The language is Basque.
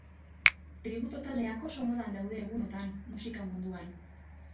Tributo taldeak oso modan daude egunotan musika munduan.